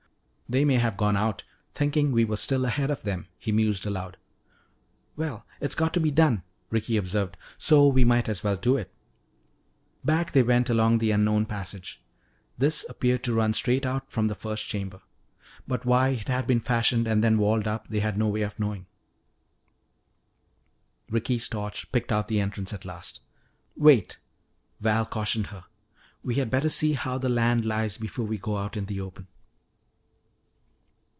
"They may have all gone out, thinking we were still ahead of them," he mused aloud. "Well, it's got to be done," Ricky observed, "so we might as well do it." Back they went along the unknown passage. This appeared to run straight out from the first chamber. But why it had been fashioned and then walled up they had no way of knowing. Ricky's torch picked out the entrance at last. "Wait," Val cautioned her, "we had better see how the land lies before we go out in the open."